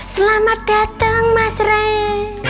selamat datang mas rendi